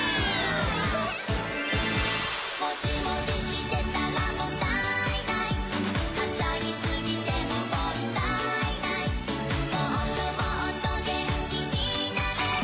「もじもじしてたらもったいない」「はしゃぎすぎてももんだいない」「もっともっと元気になぁれ」